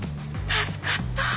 助かった！